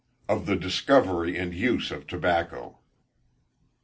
_Of the Discovery and Uses of Tobacco.